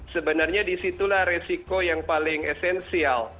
sebenarnya disitulah resiko yang paling esensial